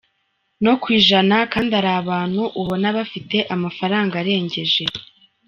no ku ijana kandi ari abantu ubona bafite amafaranga arengeje